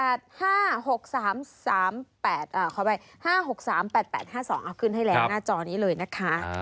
เอาขึ้นให้แรงหน้าจอนี้เลยนะคะ